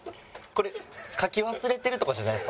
これ書き忘れてるとかじゃないですか？